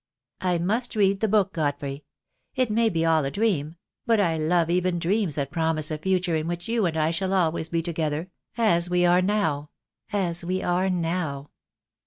"I must read the book, Godfrey. It may be all a dream; but I love even dreams that promise a future in which you and I shall always be together — as we are now, as we are now."